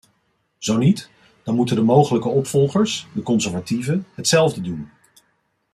Zo niet, dan moeten de mogelijke opvolgers, de conservatieven, hetzelfde doen.